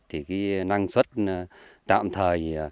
thì cái năng suất tạm thời